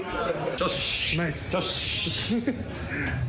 よし。